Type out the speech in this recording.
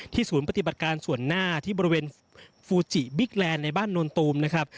ศูนย์ปฏิบัติการส่วนหน้าที่บริเวณฟูจิบิ๊กแลนด์ในบ้านโนนตูมนะครับ